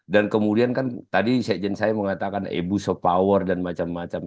dan kemudian kan tadi sekjen saya mengatakan ebus of power dan macam macam